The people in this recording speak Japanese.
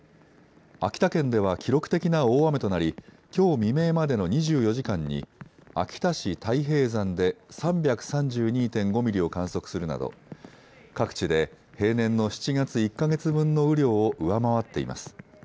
秋田県では記録的な大雨となりきょう未明までの２４時間に秋田市太平山で３３２．５ミリを観測するなど各地で平年の７月１か月分の雨量を上回っています。